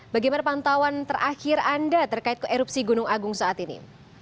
bagaimana pantauan terakhir anda terkait ke erupsi gunung agung saat ini